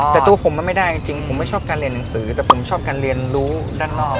แต่ตัวผมมันไม่ได้จริงผมไม่ชอบการเรียนหนังสือแต่ผมชอบการเรียนรู้ด้านนอก